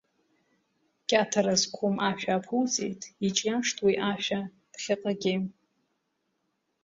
Кьаҭара зқәым ашәа аԥуҵеит, иҿиашт уи ашәа ԥхьаҟагьы.